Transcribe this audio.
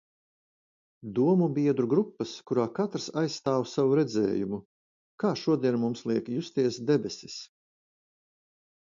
Domubiedru grupas, kurā katrs aizstāv savu redzējumu. Kā šodien mums liek justies debesis?